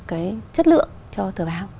cái chất lượng cho tờ báo